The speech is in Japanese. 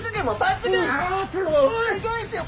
すギョいですよ